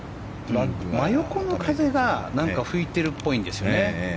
真横の風が吹いてるっぽいんですよね。